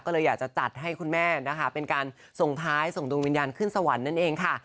ก็เลยอยากจะจัดให้คุณแม่นะคะเป็นการส่งท้ายส่งดวงวิญญาณขึ้นสวรรค์นั่นเองค่ะ